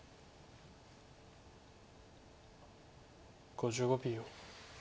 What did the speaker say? ５５秒。